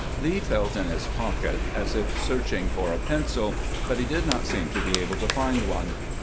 Lee felt in his pocket as if searching for a pencil, but he did not seem to be able to find one.